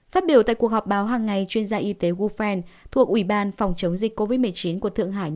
phát biểu tại cuộc họp báo hàng ngày chuyên gia y tế woofen thuộc ủy ban phòng chống dịch covid một mươi chín của thượng hải